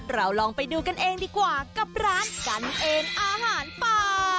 เราลองไปดูกันเองดีกว่ากับร้านกันเองอาหารป่า